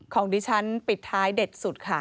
ของดิฉันปิดท้ายเด็ดสุดค่ะ